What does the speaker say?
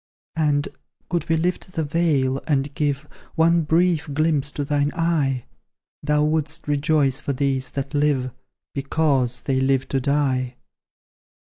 "And, could we lift the veil, and give One brief glimpse to thine eye, Thou wouldst rejoice for those that live, BECAUSE they live to die."